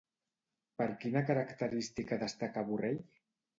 Per quina característica destaca Borrell?